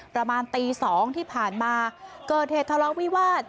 ประมาณตี๒ที่ผ่านมาเกิดเหตุทะเลาะวิวาส